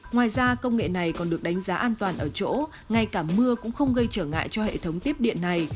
ngoài ra công nghệ này còn được đánh giá an toàn ở chỗ ngay cả mưa cũng không gây trở ngại cho hệ thống tiếp điện này